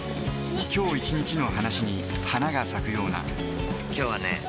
今日一日の話に花が咲くような今日はね